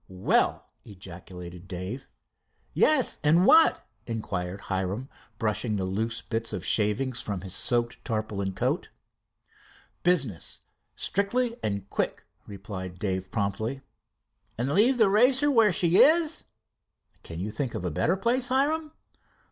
"Well!" ejaculated Dave. "Yes, and what?" inquired Hiram, brushing the loose bits of shavings from his soaked tarpaulin coat. "Business strictly and quick," replied Dave promptly. "And leave the Racer where she is?" "Can you find a better place, Hiram?"